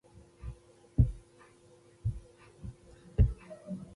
ازادي راډیو د عدالت په اړه د سیمه ییزو ستونزو حل لارې راوړاندې کړې.